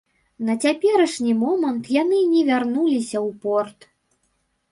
На цяперашні момант яны не вярнуліся ў порт.